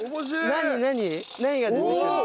何が出てくるの？